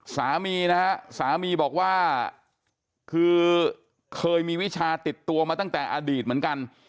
สามีนะฮะสามีบอกว่าคือเคยมีวิชาติดตัวมาตั้งแต่อดีตเหมือนกัน